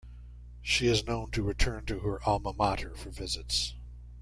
She is known to return to her alma mater for visits.